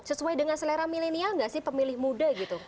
sesuai dengan selera milenial nggak sih pemilih muda gitu